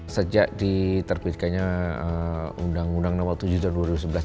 sejak diterbitkannya undang undang nomor tujuh tahun dua ribu sebelas